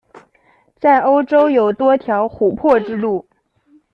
在欧洲有多条琥珀之路。